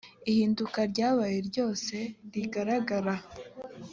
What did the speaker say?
ihinduka ryabaye ryose rigaragara